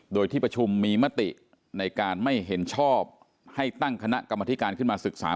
โดยที่ประชุมมีมติในการไม่เห็นชอบให้ตั้งคณะกรรมธิการขึ้นมาศึกษา